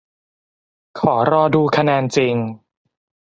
ขอรอดูคะแนนจริง